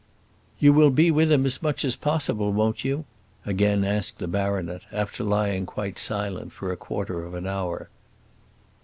"You'll be with him as much as possible, won't you?" again asked the baronet, after lying quite silent for a quarter of an hour.